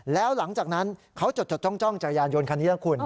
แล้วหลังจากนั้นเขาจดจดจ้องจ้องจากยานยนต์คันนี้นะครับคุณ